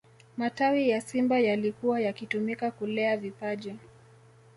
matawi ya simba yalikuwa yakitumika kulea vipaji